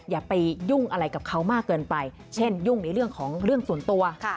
อย่าไปยุ่งอะไรกับเขามากเกินไปเช่นยุ่งในเรื่องของเรื่องส่วนตัว